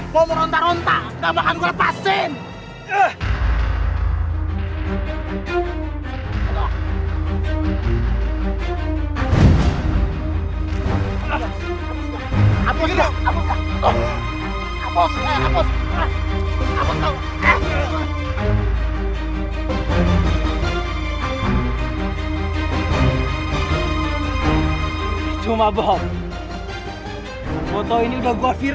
mau meronta ronta enggak makan gue lepasin